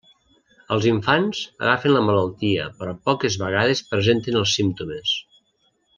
Els infants agafen la malaltia però poques vegades presenten els símptomes.